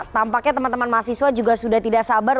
tampaknya teman teman mahasiswa juga sudah tidak sabar